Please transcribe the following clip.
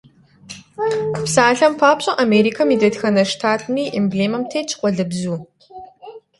Псалъэм папщӀэ, Америкэм и дэтхэнэ штатми и эмблемэм тетщ къуалэбзу.